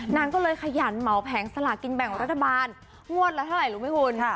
นางก็เลยขยันเหมาแผงสลากินแบ่งรัฐบาลงวดละเท่าไหร่รู้ไหมคุณ